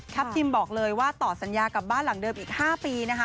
ทิมบอกเลยว่าต่อสัญญากับบ้านหลังเดิมอีก๕ปีนะคะ